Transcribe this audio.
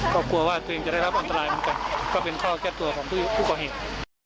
ก็กลัวว่าตัวเองจะได้รับอันตรายเหมือนกันก็เป็นพ่อแก้ตัวของผู้ก่อเหตุ